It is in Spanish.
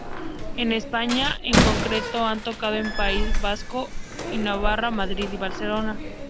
En España en concreto han tocado en País Vasco y Navarra, Madrid y Barcelona.